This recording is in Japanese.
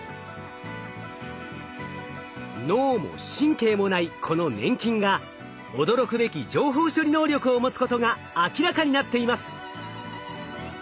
脳も神経もないこの粘菌が驚くべき情報処理能力を持つことが明らかになっています。